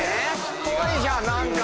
ぽいじゃん